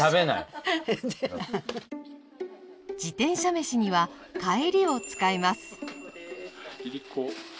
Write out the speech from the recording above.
自転車めしにはかえりを使います。